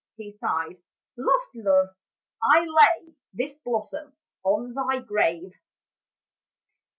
" he sighed, " lost love !— I lay This blossom on thy grave